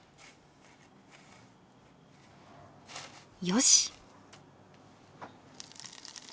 よし。